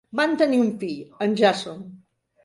Van tenir un fill, en Jason.